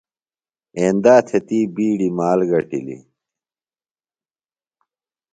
ایندا تھےۡ تی بِیڈیۡ مال گٹِلیۡ۔